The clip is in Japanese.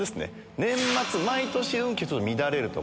年末、毎年運気、ちょっと乱れるとか。